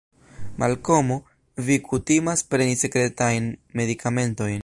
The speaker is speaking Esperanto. Malkomo, vi kutimas preni sekretajn medikamentojn.